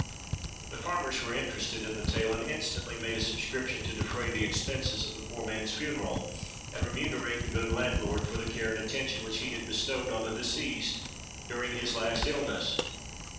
The farmers were interested in the tale, and instantly made a subscription to defray the expenses of the poor man's funeral, and remunerate the good landlord for the care and attention which he had bestowed on the deceased during his last illness.